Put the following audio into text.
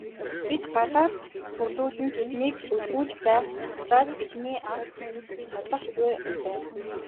Бид галаар сүрдүүлэн тэднийг гөлрүүлж байх завсраа бидний агт цадах буй за.